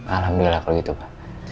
alhamdulillah kalau gitu pak